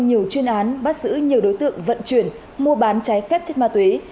nhiều chuyên án bắt giữ nhiều đối tượng vận chuyển mua bán trái phép chất ma túy